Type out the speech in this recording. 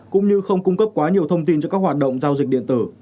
cũng như không cung cấp quá nhiều thông tin cho các hoạt động giao dịch điện tử